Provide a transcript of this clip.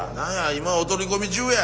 今お取り込み中や。